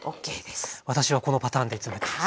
私はこのパターンでいつもやってます。